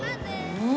うん！